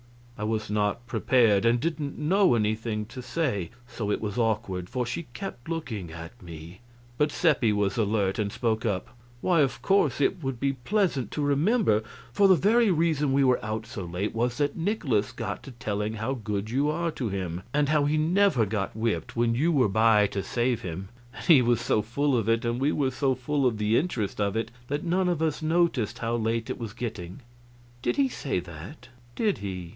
I was not prepared, and didn't know anything to say; so it was awkward, for she kept looking at me; but Seppi was alert and spoke up: "Why, of course it would be pleasant to remember, for the very reason we were out so late was that Nikolaus got to telling how good you are to him, and how he never got whipped when you were by to save him; and he was so full of it, and we were so full of the interest of it, that none of us noticed how late it was getting." "Did he say that? Did he?"